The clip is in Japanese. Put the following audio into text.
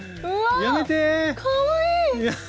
やめて！